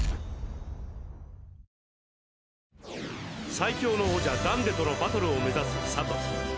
最強の王者ダンデとのバトルを目指すサトシ。